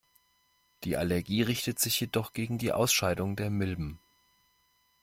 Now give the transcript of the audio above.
Die Allergie richtet sich jedoch gegen die Ausscheidungen der Milben.